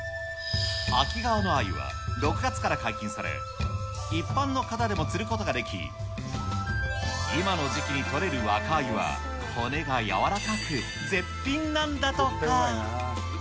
秋川のあゆは６月から解禁され、一般の方でも釣ることができ、今の時期に取れる若あゆは、骨がやわらかく、絶品なんだとか。